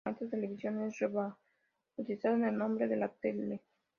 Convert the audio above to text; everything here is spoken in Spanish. Marte Televisión es rebautizado con el nombre de "La Tele".